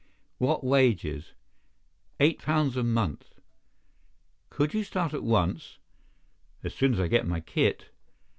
"What wages?" "Eight pounds a month." "Could you start at once?" "As soon as I get my kit."